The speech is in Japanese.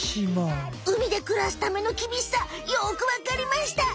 海でくらすためのきびしさよくわかりました。